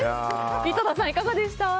井戸田さん、いかがでした？